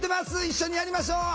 一緒にやりましょう！